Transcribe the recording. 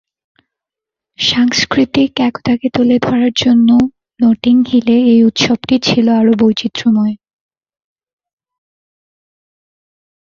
সাংস্কৃতিক একতাকে তুলে ধরার জন্য নটিং হিলে এই উৎসবটি ছিল আরও বৈচিত্র্যময়।